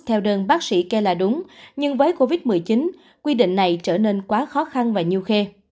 theo đơn bác sĩ kê là đúng nhưng với covid một mươi chín quy định này trở nên quá khó khăn và nhiều khê